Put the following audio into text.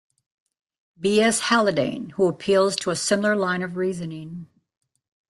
B. S. Haldane who appeals to a similar line of reasoning.